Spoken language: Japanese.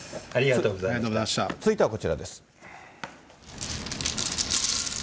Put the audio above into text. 続いてはこちらです。